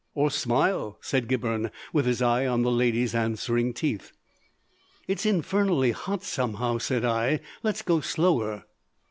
"Or smile," said Gibberne, with his eye on the lady's answering teeth. "It's infernally hot, somehow," said I. "Let's go slower."